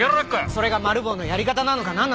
それがマル暴のやり方なのかな